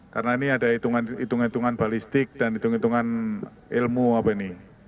karena ini ada hitungan hitungan balistik dan hitung hitungan ilmu apa ini